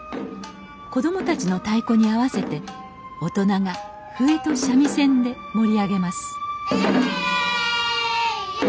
子供たちの太鼓に合わせて大人が笛と三味線で盛り上げますえいや！